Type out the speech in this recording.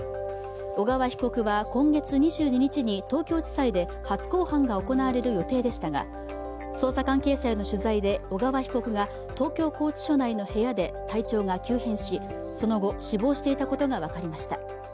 小川被告は、今月２２日に東京地裁で初公判が行われる予定でしたが捜査関係者への取材で小川被告が東京拘置所の部屋で体調が急変し、その後死亡していたことが分かりました。